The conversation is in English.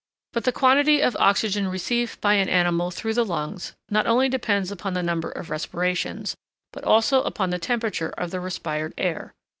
But the quantity of oxygen received by an animal through the lungs not only depends upon the number of respirations, but also upon the temperature of the respired air.